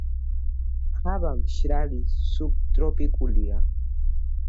ჰავა მშრალი სუბტროპიკულია.